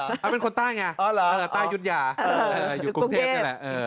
อันนี้เป็นคนใต้อยู่กรุงเทพฯ